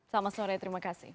selamat sore terima kasih